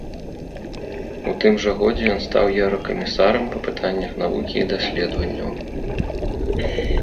У тым жа годзе ён стаў еўракамісарам па пытаннях навукі і даследаванняў.